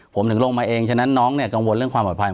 ผมถึงลงมาเองฉะนั้นน้องเนี่ยกังวลเรื่องความปลอดภัย